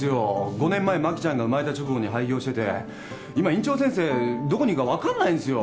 ５年前真希ちゃんが生まれた直後に廃業してて今院長先生どこにいるか分かんないんですよ。